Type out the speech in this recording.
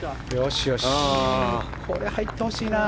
これ入ってほしいな。